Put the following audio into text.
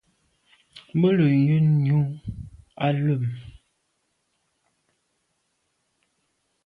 Me lo yen nyu à lem.